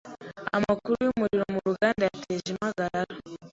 Amakuru yumuriro muruganda yateje impagarara.